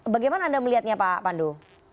bagaimana anda melihatnya pak pandu